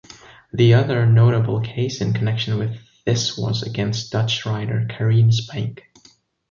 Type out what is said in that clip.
The other notable case in connection with this was against Dutch writer Karin Spaink.